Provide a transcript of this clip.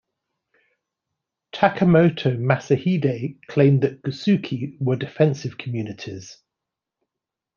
Takemoto Masahide claimed that gusuku were defensive communities.